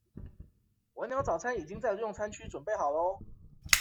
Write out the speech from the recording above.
晚鳥早餐已經在用餐區準備好囉